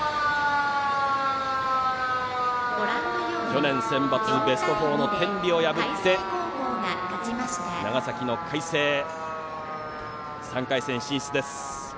去年センバツベスト４の天理を破って長崎の海星が３回戦進出です。